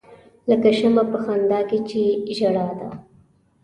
لکه شمع په خندا کې می ژړا ده.